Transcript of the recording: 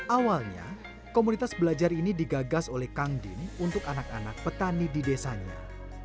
awalnya komunitas belajar ini digagas oleh kang din untuk anak anak petani di desanya